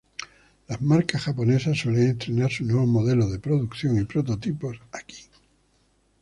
Las marcas japonesas suelen estrenar sus nuevos modelos de producción y prototipos aquí.